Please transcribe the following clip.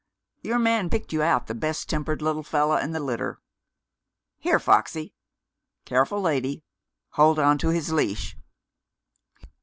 Your man picked you out the best tempered little feller in the litter. Here, Foxy careful, lady! Hold on to his leash!"